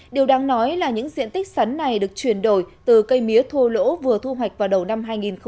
điều đáng nói là những diện tích sắn này được chuyển đổi từ cây mía thô lỗ vừa thu hoạch vào đầu năm hai nghìn một mươi chín